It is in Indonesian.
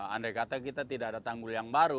andai kata kita tidak ada tanggul yang baru